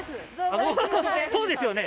そうですよね。